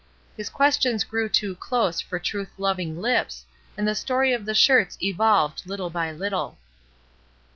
His questions grew too close for truth loving lips, and the story of the shirts evolved little by little.